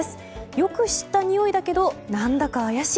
よく知ったにおいだけど何だか怪しい。